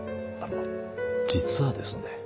あの実はですね